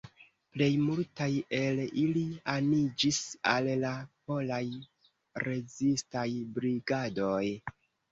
Plej multaj el ili aniĝis al la polaj rezistaj brigadoj.